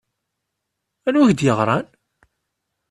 Anwi i k-d-yeɣṛan?